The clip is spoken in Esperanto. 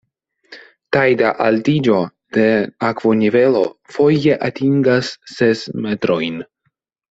Tajda altiĝo de akvonivelo foje atingas ses metrojn.